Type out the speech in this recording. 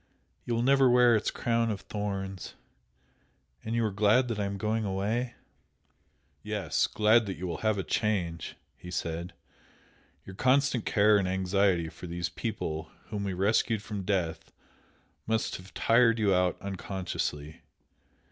You will never wear its crown of thorns! And you are glad I am going away?" "Yes! glad that you will have a change" he said "Your constant care and anxiety for these people whom we rescued from death must have tired you out unconsciously.